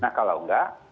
nah kalau nggak